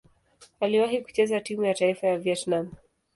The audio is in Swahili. Aliwahi kucheza timu ya taifa ya Vietnam.